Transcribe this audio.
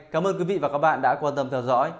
cảm ơn quý vị và các bạn đã quan tâm theo dõi